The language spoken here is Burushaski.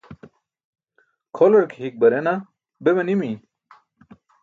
Kholar ke hik barena be manimi?